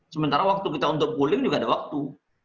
sementara waktu kita untuk pooling juga ada waktu